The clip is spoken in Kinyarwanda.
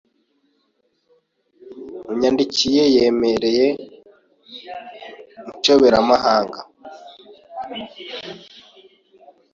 unyandikiye yamereye inshoeramahanga